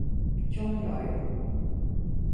中女